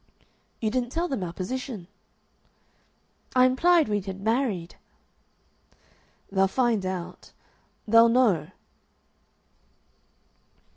"You didn't tell them our position?" "I implied we had married." "They'll find out. They'll know."